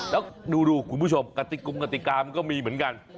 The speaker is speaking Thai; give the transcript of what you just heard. แล้วดูคุณผู้ชมกติกุมกติกามันก็มีเหมือนกัน